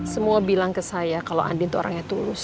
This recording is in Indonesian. semua bilang ke saya kalau andin itu orangnya tulus